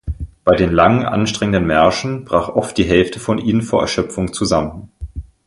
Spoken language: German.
Bei den langen, anstrengenden Märschen brach oft die Hälfte von ihnen vor Erschöpfung zusammen.